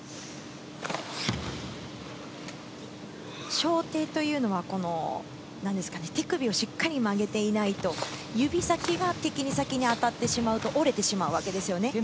掌底というのは、手首をしっかりと曲げていないと、指先は敵に先に当てると折れてしまうわけですね。